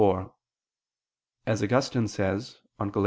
4: As Augustine says on Gal.